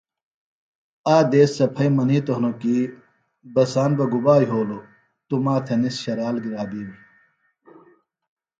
آ دیس سےۡ پھئیۡ منِیتوۡ ہنوۡ کیۡ ”بساند بہ گُبا یھولوۡ توۡ ما تھےۡ نِس شرال گِرا بہ بِیڑ“